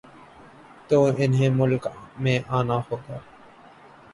تو انہیں ملک میں آنا ہو گا۔